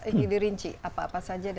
ingin dirinci apa apa saja